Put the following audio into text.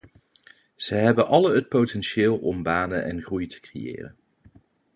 Ze hebben alle het potentieel om banen en groei te creëren.